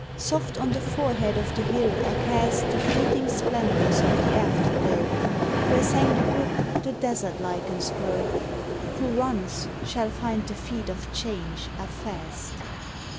Soft on the forehead of the hill are cast The fleeting splendors of the afterglow; Where sang the brook the desert lichens grow. Who runs, shall find the feet of Change are fast.